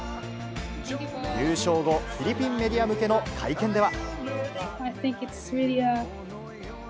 優勝後、フィリピンメディア向けの会見では。